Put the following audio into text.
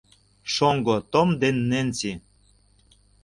Шоҥго Том ден Ненси